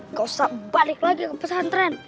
nggak usah balik lagi ke pesantren